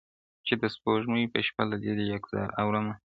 • چي د سپوږمۍ په شپه له لیري یکه زار اورمه -